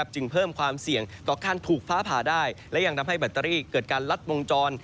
จึงเพิ่มความเสี่ยงต่อการถูกฟ้าผ่าได้และยังทำให้แบตเตอรี่เกิดการลัดวงจร